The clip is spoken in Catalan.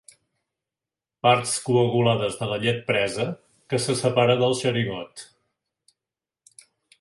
Parts coagulades de la llet presa que se separa del xerigot.